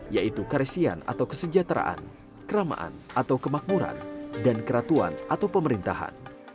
yaitu karesian atau kesejahteraan keramaan atau kemakmuran dan keratuan atau pemerintahan